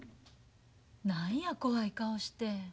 何や怖い顔して。